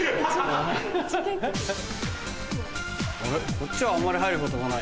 こっちはあんまり入ることないね。